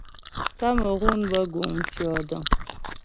Kamerun bə guŋ mtʉɔ̌dəŋ.